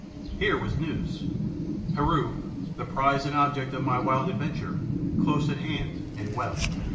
Here was news! Heru, the prize and object of my wild adventure, close at hand and well.